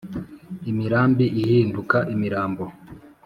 imirambi ihinduka imirambo